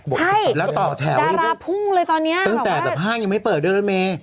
ใช่ดาราพุ่งเลยตอนนี้ตั้งแต่ภาคยังไม่เปิดด้วยนะเม